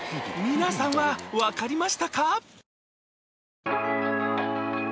皆さんはわかりましたか？